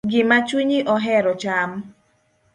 Gima chunyi ohero cham.